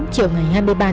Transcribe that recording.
trường ngày hai mươi ba